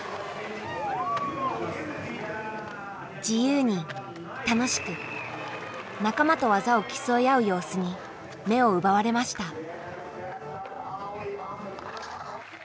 自由に楽しく仲間と技を競い合う様子に目を奪われました。